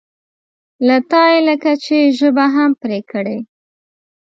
له تا یې لکه چې ژبه هم پرې کړې.